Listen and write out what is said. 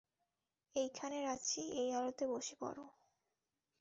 এই খানে রাধছি, এই আলোতে বসে পড়।